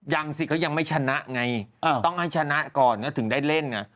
ยังสิเขายังไม่ชนะไงต้องให้ชนะก่อนก็ถึงได้เล่นไง